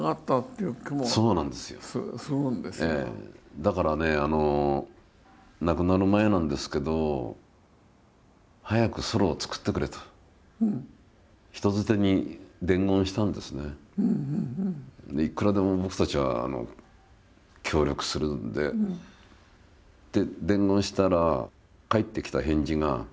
だからね亡くなる前なんですけどで「いくらでも僕たちは協力するんで」って伝言したらああ言ってました？